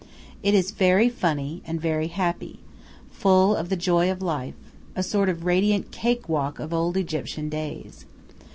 It is very funny and very happy; full of the joy of life a sort of radiant cake walk of old Egyptian days.